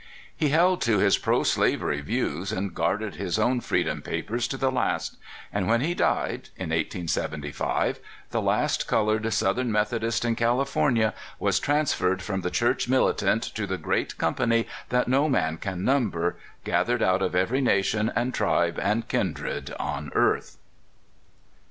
He held to his proslavery views and guarded his own freedom papers to the last; and when he died, in 1875, the last colored Southern Methodist in California was transferred from the Church militant to the great company that no man can number, gathered out of every nation and tribe and kindred on earth.